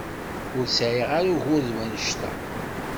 Ur sɛiɣ ara ugur d wannect-a.